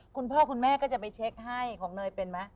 คุณพ่อคุณแม่ก็จะไปเช็คให้ของเนยเป็นไหม